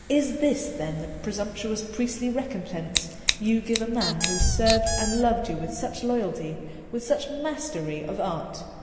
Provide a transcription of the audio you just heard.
Is this then the presumptuous priestly recompense you give a man who has served and loved you with such loyalty, with such mastery of art?